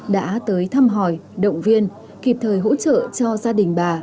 đã tới thăm hỏi động viên kịp thời hỗ trợ cho gia đình bà